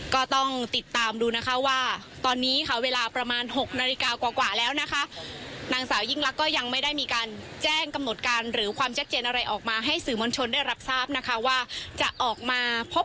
ก็ต้องติดตามดูนะคะว่าตอนนี้ค่ะเวลาประมาณหกนาฬิกากว่ากว่าแล้วนะคะนางสาวยิ่งลักษณ์ก็ยังไม่ได้มีการแจ้งกำหนดการหรือความแจ็ดเจนอะไรออกมาให้สื่อมณชนได้รับทราบนะคะว่าจะออกมาพบ